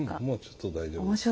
もうちょっと大丈夫。